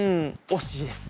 惜しいです。